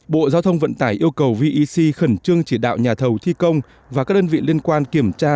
bộ giao thông vận tải yêu cầu vec khẩn trương chỉ đạo nhà thầu thi công và các đơn vị liên quan kiểm tra